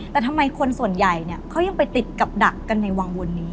แต่ทำไมคนส่วนใหญ่เขายังไปติดกับดักกันในวังวนนี้